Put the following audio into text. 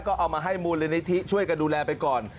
ก็เอามาให้มูลนิธิช่วยกันดูแลไปก่อน